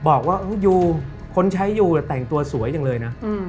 บอกว่ายูคนใช้ยูแต่งตัวสวยจังเลยนะ